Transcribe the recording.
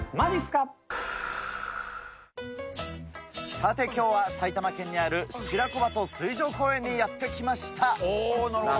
さて、きょうは埼玉県にあるしらこばと水上公園にやって来ました。